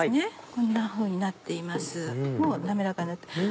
こんなふうになっています